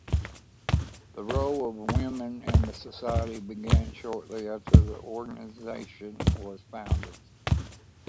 The role of women in the society began shortly after the organisation was founded.